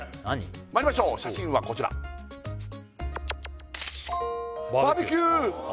まいりましょう写真はこちらバーベキュー！